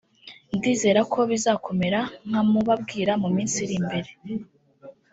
ndizera ko bizakomera nkamubabwira mu minsi iri imbere